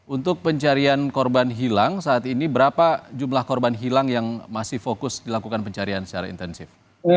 untuk pencarian korban hilang saat ini berapa jumlah korban hilang yang masih fokus dilakukan pencarian secara intensif